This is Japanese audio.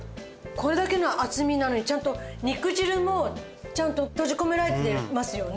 これだけの厚みなのにちゃんと肉汁もちゃんと閉じ込められてますよね。